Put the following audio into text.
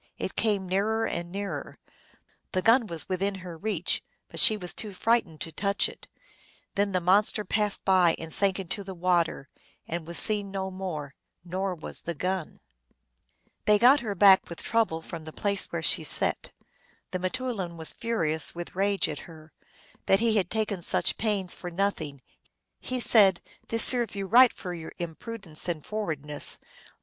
It came nearer and rfearer; the gun was within her reach, but she was too fright ened to touch it. Then the monster passed by and 326 THE ALGONQUIN LEGENDS. sank into the water, and was seen no more, nor was the gun. They got her back with trouble from the place where she sat. The m teoulin was furious with rage at her, that he had taken such pains for nothing. He said, " This serves you right for your impudence and forwardness.